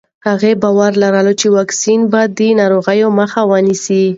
هغې باور لري چې واکسین به د ناروغۍ مخه ونیسي.